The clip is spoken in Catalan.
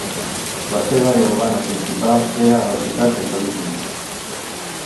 La seva àrea urbana principal era la ciutat de Salisbury.